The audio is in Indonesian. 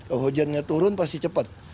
oh hujannya turun pasti cepat